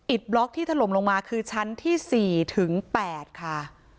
บล็อกที่ถล่มลงมาคือชั้นที่๔ถึง๘ค่ะ